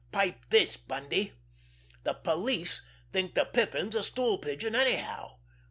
Pipe this, Bundy! The police think the Pippin's a stool pigeon anyhow.